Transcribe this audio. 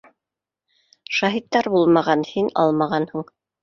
Шаһиттар булмаған, һин алмағанһың